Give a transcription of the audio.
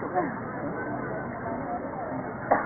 ก็จะมีอันดับอันดับอันดับอันดับ